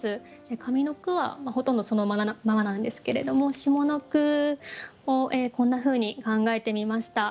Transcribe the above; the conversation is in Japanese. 上の句はほとんどそのままなんですけれども下の句をこんなふうに考えてみました。